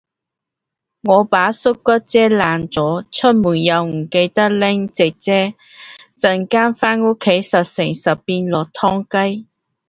我把縮骨遮爛咗，出門口又唔記得拎直遮，陣間返屋企十成十變落湯雞